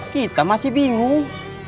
kita masih bingung